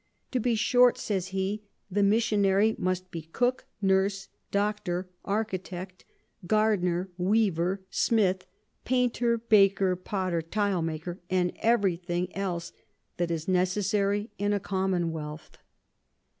To be short, says he, the Missionary must be Cook, Nurse, Doctor, Architect, Gardiner, Weaver, Smith, Painter, Baker, Potter, Tile maker, and every thing else that is necessary in a Commonwealth.